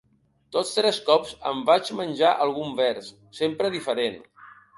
Tots tres cops em vaig menjar algun vers, sempre diferent.